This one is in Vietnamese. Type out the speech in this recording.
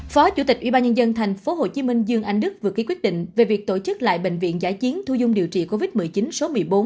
phó chủ tịch ubnd tp hcm dương anh đức vừa ký quyết định về việc tổ chức lại bệnh viện giải chiến thu dung điều trị covid một mươi chín số một mươi bốn